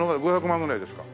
５００万ぐらいですか？